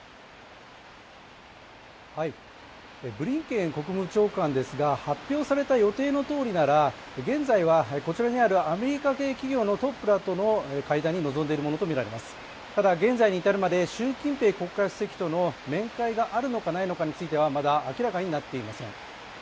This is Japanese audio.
ブリンケン国務長官ですが発表された予定のとおりなら現在はこちらにあるアメリカ系企業のトップらとの会談に臨んでいるものとみられています、ただ現在に至るまで習近平国家主席との面会があるのかないのかについては、まだ明らかになっていません。